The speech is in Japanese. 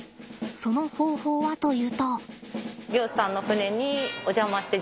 その方法はというと。